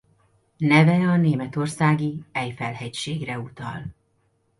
Neve a németországi Eifel hegységre utal.